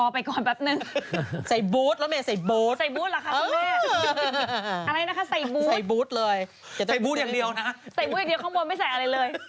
ใส่บูธอย่างเดียวข้างบนไม่ใส่อะไรเลย